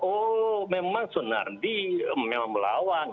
oh memang sunardi memang melawan